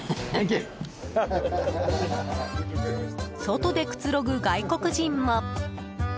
外でくつろぐ外国人も。